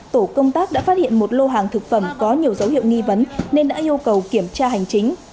tổ công tác đã phát hiện một lô hàng thực phẩm có nhiều dấu hiệu nghi vấn nên đã yêu cầu kiểm tra hành chính